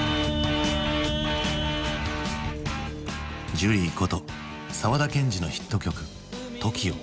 ジュリーこと沢田研二のヒット曲「ＴＯＫＩＯ」。